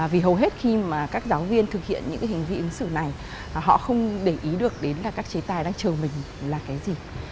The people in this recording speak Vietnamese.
vì hầu hết khi mà các giáo viên thực hiện những cái hành vi ứng xử này họ không để ý được đến là các chế tài đang chờ mình là cái gì